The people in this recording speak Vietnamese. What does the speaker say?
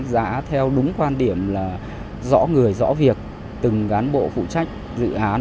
đã theo đúng quan điểm là rõ người rõ việc từng gán bộ phụ trách dự án